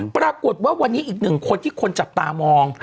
ปรากฏว่าวันนี้อีกหนึ่งคนที่คนจับตามอง